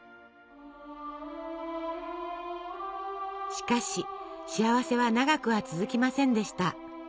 しかし幸せは長くは続きませんでした。